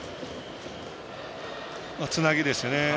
つなぎですよね。